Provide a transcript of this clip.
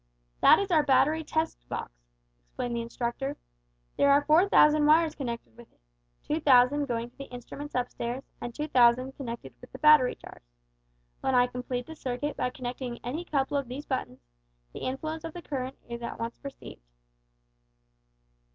"That is our Battery Test Box," explained the Inspector. "There are four thousand wires connected with it two thousand going to the instruments up stairs, and two thousand connected with the battery jars. When I complete the circuit by connecting any couple of these buttons, the influence of the current is at once perceived."